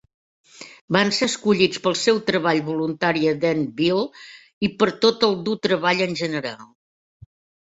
Van ser escollits pel seu treball voluntari a Denville, i per tot el dur treball en general.